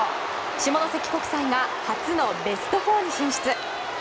下関国際が初のベスト４に進出。